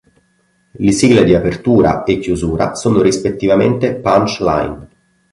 Le sigle di apertura e chiusura sono rispettivamente "Punch Line!